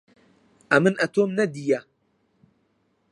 ئەمن ئەتۆم نەدییە